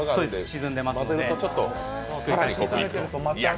沈んでますので。